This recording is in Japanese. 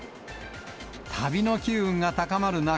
旅の機運が高まる中、